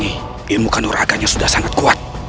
ilmu kandung raganya sudah sangat kuat